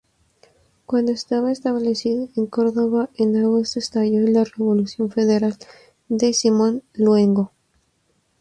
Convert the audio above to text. Cuando estaba establecido en Córdoba, en agosto, estalló la revolución federal de Simón Luengo.